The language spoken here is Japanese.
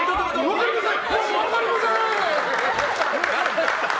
分かりません！